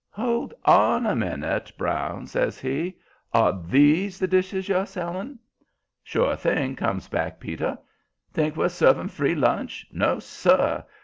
"Hold on a minute, Brown," says he. "Are THESE the dishes you're selling?" "Sure thing," comes back Peter. "Think we're serving free lunch? No, sir!